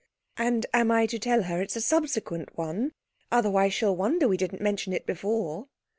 'And am I to tell her it's a subsequent one? Otherwise she'll wonder we didn't mention it before.'